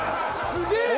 すげえ！